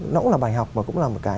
nó cũng là bài học và cũng là một cái